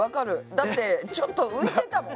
だってちょっと浮いてたもん。